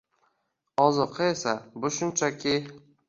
Ozuqa esa — bu shunchaki…